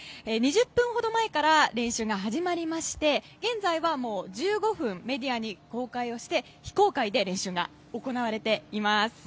２０分ほど前から練習が始まりまして現在は、もう１５分メディアに公開して非公開で練習が行われています。